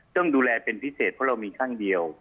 ต้องดูแลเป็นพิเศษเพราะเรามีข้างเดียว